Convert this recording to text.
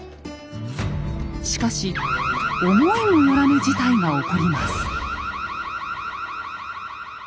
しかし思いもよらぬ事態が起こります。